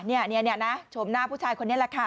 นี่นะชมหน้าผู้ชายคนนี้แหละค่ะ